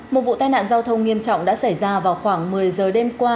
một vụ tai nạn giao thông nghiêm trọng đã xảy ra vào khoảng một mươi giờ đêm qua